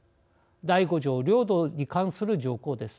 第５条、領土に関する条項です。